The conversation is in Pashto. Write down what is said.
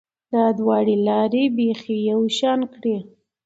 دا دواړې لارې بیخي یو شان کړې